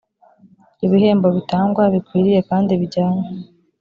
ibihembo bitangwa bikwiriye kandi bijyanye